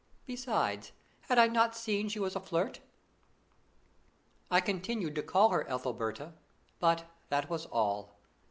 Besides, had I not seen she was a flirt? I continued to call her Ethelberta, but that was all.